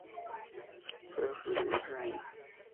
Selfridge" y en "Reign".